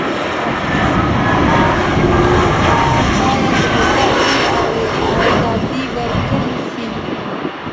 ماسوم ته باید د مطالعې ازادي ورکړل سي.